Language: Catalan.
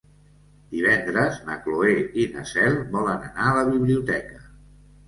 Divendres na Cloè i na Cel volen anar a la biblioteca.